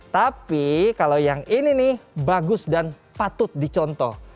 tapi kalau yang ini nih bagus dan patut dicontoh